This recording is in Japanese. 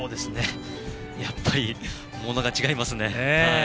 やはり、ものが違いますね。